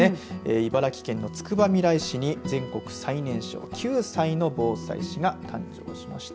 茨城県のつくばみらい市に全国最年少９歳の防災士が誕生しました。